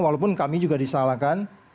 walaupun kami juga disalahkan